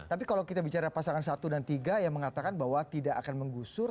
tapi kalau kita bicara pasangan satu dan tiga yang mengatakan bahwa tidak akan menggusur